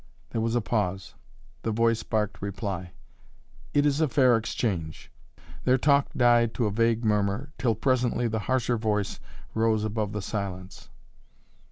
There was a pause. The voice barked reply: "It is a fair exchange." Their talk died to a vague murmur till presently the harsher voice rose above the silence.